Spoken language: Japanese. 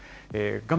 画面